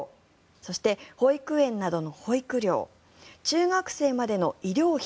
そして、保育園などの保育料中学生までの医療費